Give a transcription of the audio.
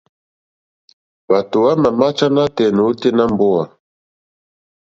Hwátò hwámà máchá nátɛ̀ɛ̀ nôténá mbówà.